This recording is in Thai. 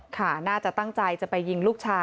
ค่ะน่าจะตั้งใจจะไปยิงลูกชาย